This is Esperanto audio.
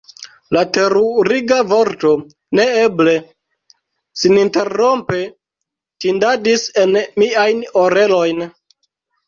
La teruriga vorto "neeble!" seninterrompe tintadis en miajn orelojn.